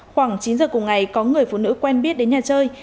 khoảng chín giờ cùng ngày có người phụ nữ quen biết đến nhà chơi